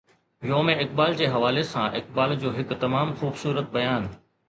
يوم اقبال جي حوالي سان اقبال جو هڪ تمام خوبصورت بيان.